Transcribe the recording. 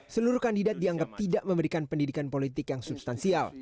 seluruh kandidat dianggap tidak memberikan pendidikan politik yang substansial